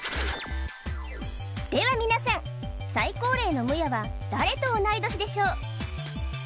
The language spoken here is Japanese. ではみなさん最高齢のムヤは誰と同い年でしょう？